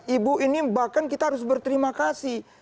ibu ini bahkan kita harus berterima kasih